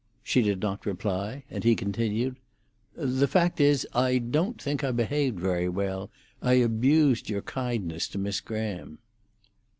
She did not reply, and he continued: "The fact is, I don't think I behaved very well. I abused your kindness to Miss Graham."